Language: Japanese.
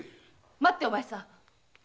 待ってお前さん！